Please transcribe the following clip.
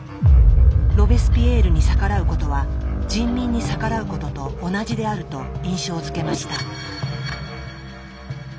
ロベスピエールに逆らうことは人民に逆らうことと同じであると印象づけました。